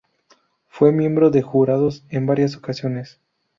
Fue miembro de jurados en varias ocasiones.